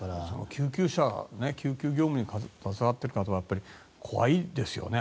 救急車救急業務に携わっている方は怖いですよね。